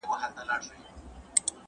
د امپراتورۍ پولې پراخې سوې.